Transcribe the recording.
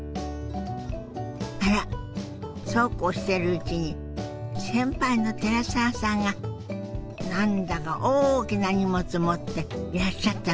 あらそうこうしているうちに先輩の寺澤さんが何だか大きな荷物持っていらっしゃったみたい。